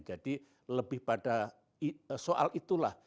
jadi lebih pada soal itulah